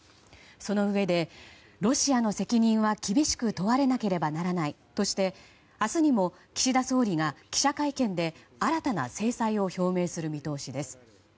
そのうえで、ロシアの責任は厳しく問われなければならないとして明日にも、岸田総理が記者会見で新たな制裁を表明する見通しです。